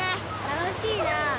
楽しいな。